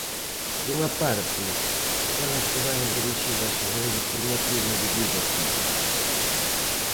Por unha parte, aquelas que vaian dirixidas ao eido formativo e divulgativo.